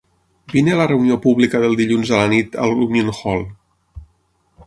Vine a la reunió pública del dilluns a la nit al Union Hall.